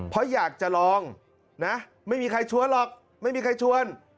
เพราะอยากจะลองนะไม่มีใครชวนหรอกไม่มีใครชวน